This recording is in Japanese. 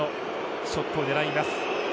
ショットを狙います。